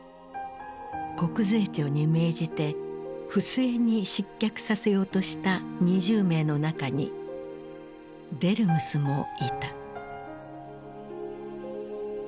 国税庁に命じて不正に失脚させようとした２０名の中にデルムスもいた。